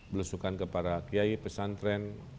berusukan kepada kiai pesantren